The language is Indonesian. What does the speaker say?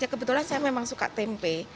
kebetulan saya memang suka tempe